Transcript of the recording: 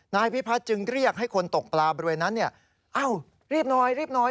นายพิพัฒน์จึงเรียกให้คนตกปลาบริเวณนั้นเนี่ยเอ้ารีบน้อยรีบน้อย